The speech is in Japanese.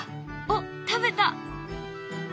おっ食べた。